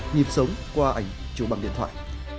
nhịp sống qua ảnh chú bằng điện thoại